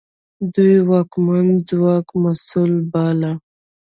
دوی واکمن ځواک مسوول باله.